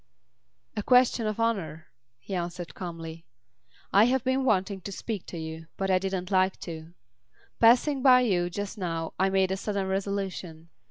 "A question of honour," he answered calmly. "I have been wanting to speak to you, but I didn't like to. Passing you by, just now, I made a sudden resolution.